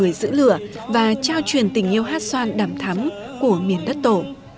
người giữ lửa và trao truyền tình yêu hát xoan đầm thắm của miền đất tổ